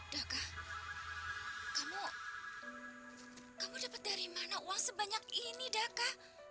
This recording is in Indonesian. daka kamu kamu dapat dari mana uang sebanyak ini daka